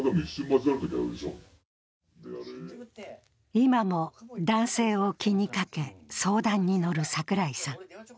今も男性を気にかけ、相談に乗る櫻井さん。